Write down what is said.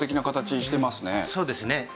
そうですね。